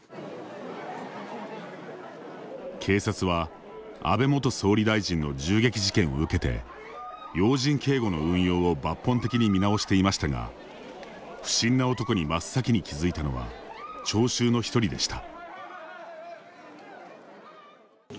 警察は、安倍元総理大臣の銃撃事件を受けて要人警護の運用を抜本的に見直していましたが不審な男に真っ先に気付いたのは聴衆の１人でした。